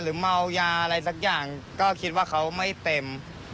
เมายาอะไรสักอย่างก็คิดว่าเขาไม่เต็ม